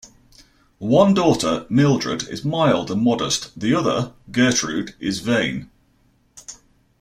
One daughter, Mildred, is mild and modest; the other, Gertrude, is vain.